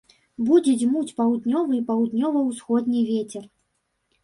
Будзе дзьмуць паўднёвы і паўднёва-ўсходні вецер.